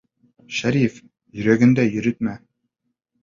Шәриф, йөрәгеңдә йөрөтмә.